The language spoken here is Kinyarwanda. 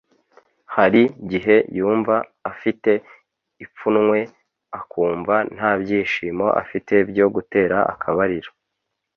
hari gihe yumva afite ipfunwe akumva nta byishimo afite byo gutera akabariro